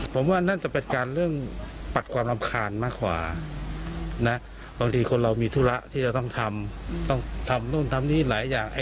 ผมว่านั่นจะเป็นการเรื่องปัดความรำคาญมากกว่านะบางทีคนเรามีธุระที่จะต้องทำต้องทำนู่นทำนี่หลายอย่าง